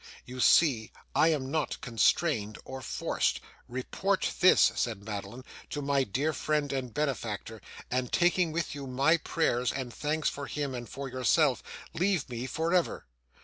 You see I am not constrained or forced. Report this,' said Madeline, 'to my dear friend and benefactor, and, taking with you my prayers and thanks for him and for yourself, leave me for ever!